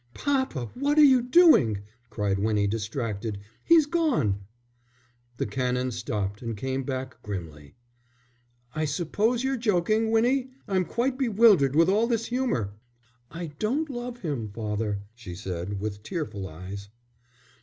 "Papa, what are you doing?" cried Winnie, distracted. "He's gone!" The Canon stopped and came back grimly. "I suppose you're joking, Winnie? I'm quite bewildered with all this humour." "I don't love him, father," she said, with tearful eyes.